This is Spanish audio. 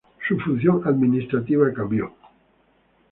Su función administrativa cambió.